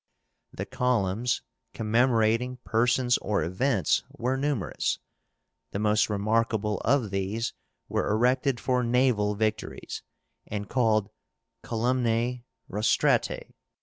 The COLUMNS commemorating persons or events were numerous. The most remarkable of these were erected for naval victories, and called COLUMNAE ROSTRÁTAE.